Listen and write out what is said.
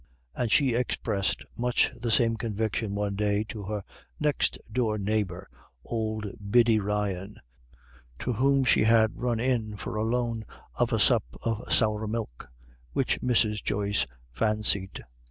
And she expressed much the same conviction one day to her next door neighbor, old Biddy Ryan, to whom she had run in for the loan of a sup of sour milk, which Mrs. Joyce fancied.